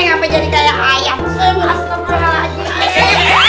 kenapa jadi kayak ayam ya